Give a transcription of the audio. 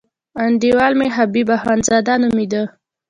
انډیوال مې حبیب اخندزاده نومېده.